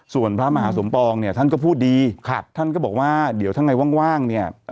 ส่วนพระมหาสมปองเนี่ยท่านก็พูดดีท่านก็บอกว่าเดี๋ยวถ้าไงว่างเนี่ย